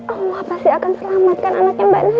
allah pasti akan selamatkan anak yang mbak naya